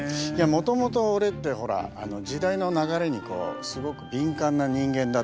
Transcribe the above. もともと俺ってほら時代の流れにすごく敏感な人間だったわけよ。